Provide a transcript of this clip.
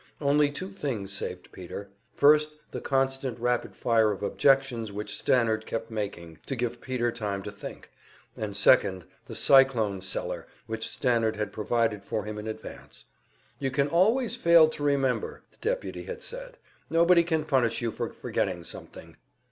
Only two things saved Peter, first the constant rapid fire of objections which Stannard kept making, to give Peter time to think; and second, the cyclone cellar which Stannard had provided for him in advance. "You can always fail to remember," the deputy had said; "nobody can punish you for forgetting something."